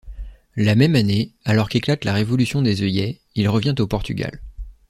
La même année, alors qu'éclate la Révolution des Œillets, il revient au Portugal.